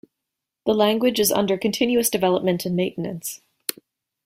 The language is under continuous development and maintenance.